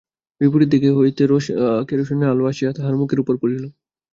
বিপরীত দিক হইতে কেরোসিনের আলো আসিয়া তাঁহার মুখের উপর পড়িল।